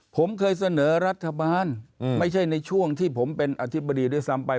ผมเคยเสนอรัฐบาลไม่ใช่ในช่วงที่ผมเป็นอธิบดีด้วยซ้ำไป